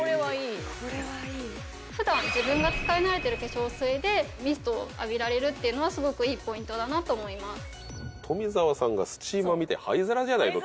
普段自分が使い慣れてる化粧水でミストを浴びられるっていうのはすごくいいポイントだなと思います。